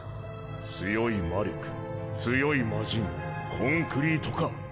強い魔力強いマジンコンクリート化